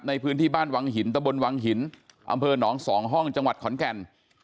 ในพื้นที่บ้านวังหินตะบนวังหินอำเภอหนองสองห้องจังหวัดขอนแก่น